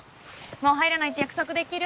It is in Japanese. もう入らないって約束できる？